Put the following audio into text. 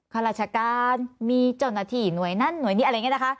ข้าราชการมีเจ้าหน้าที่หน่วยนั้นหน่วยนี้อะไรอย่างนี้นะคะ